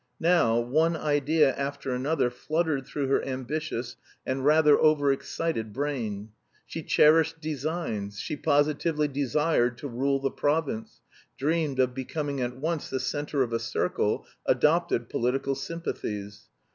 Now one idea after another fluttered through her ambitious and rather over excited brain. She cherished designs, she positively desired to rule the province, dreamed of becoming at once the centre of a circle, adopted political sympathies.